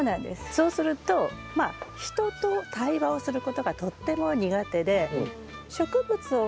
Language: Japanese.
そうするとまあ人と対話をすることがとっても苦手で。